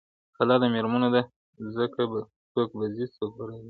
قلا د مېړنو ده څوک به ځي څوک به راځي.